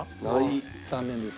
残念です。